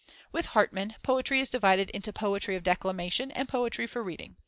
With Hartmann, poetry is divided into poetry of declamation and poetry for reading.